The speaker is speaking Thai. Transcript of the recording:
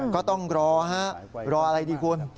ก็ต้องรอฮะรออะไรดีคุณ